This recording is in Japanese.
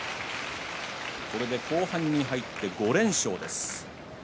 これで後半に入って５連勝です。